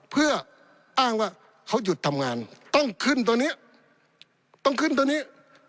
เพื่ออ้างว่าเขาหยุดทำงานต้องขึ้นตัวนี้ต้องขึ้นตัวนี้